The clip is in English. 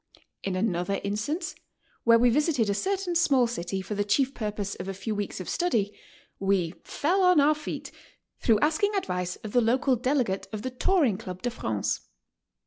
In another instance, where we visited a certain small city for the chief purpose of a few weeks of study, we "fell on our feet'' through asking advice of the local Delegate of the Touring Club de France.